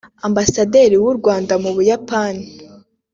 Ambasaderi w’u Rwanda mu Buyapani